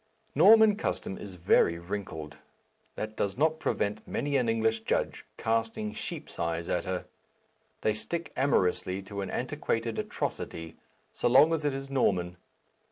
Norman custom is very wrinkled. That does not prevent many an English judge casting sheep's eyes at her. They stick amorously to an antiquated atrocity, so long as it is Norman.